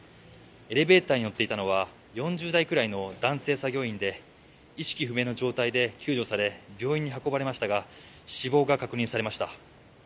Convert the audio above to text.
エレベーターに乗っていたのは４０代くらいの男性作業員で意識不明の状態で救助され病院に運ばれましたが死亡が確認されました。